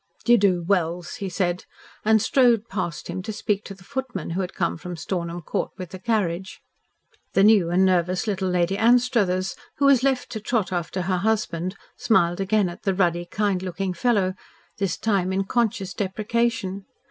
"D'ye do, Wells," he said, and strode past him to speak to the footman who had come from Stornham Court with the carriage. The new and nervous little Lady Anstruthers, who was left to trot after her husband, smiled again at the ruddy, kind looking fellow, this time in conscious deprecation.